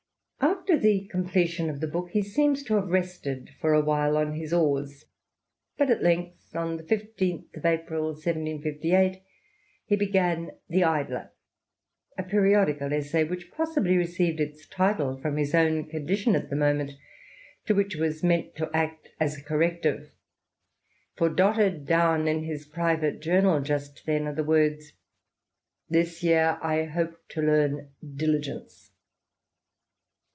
After the completion of the book, he seems to have rested for a while on his oars; but at length, on the 15th of April 1758, he began the Idler — a periodical essay, which possibly received its title from his own condition at the moment, to which it was meant to act as a corrective ; for dotted down in his private journal just then are the words, " This year I hope to learn diligence."